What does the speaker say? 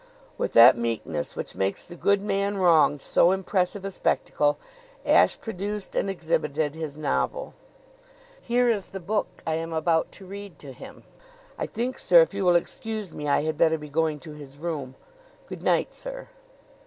With that meekness which makes the good man wronged so impressive a spectacle, Ashe produced and exhibited his novel. "Here is the book I am about to read to him. I think, sir, if you will excuse me, I had better be going to his room. Good night, sir."